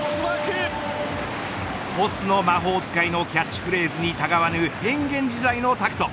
トスの魔法使いのキャッチフレーズにたがわぬ変幻自在のタクト。